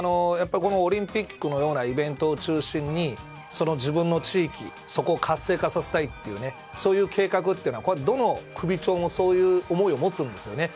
このオリンピックのようなイベントを中心に自分の地域を活性化させたいというそういう計画っていうのはどの首長もそういう思いを持つんですよ。